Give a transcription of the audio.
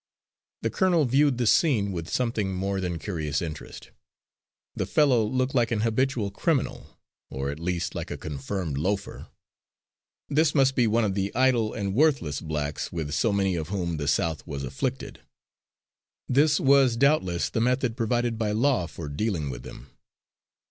The colonel viewed the scene with something more than curious interest. The fellow looked like an habitual criminal, or at least like a confirmed loafer. This must be one of the idle and worthless blacks with so many of whom the South was afflicted. This was doubtless the method provided by law for dealing with them.